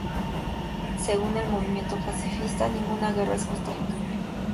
Según el movimiento pacifista ninguna guerra es justificable.